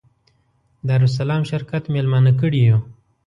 دارالسلام شرکت مېلمانه کړي یو.